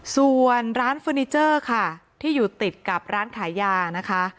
ส่วนร้านเฟอร์นิเจอร์ค่ะที่อยู่ติดกับร้านขายยานะคะ